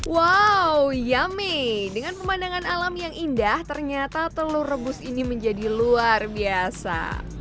wow yume dengan pemandangan alam yang indah ternyata telur rebus ini menjadi luar biasa